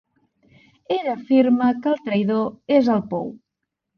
Ell afirma que el traïdor és al pou.